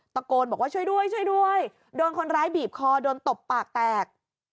ตะโกนบอกว่าช่วยด้วยช่วยด้วยโดนคนร้ายบีบคอโดนตบปากแตก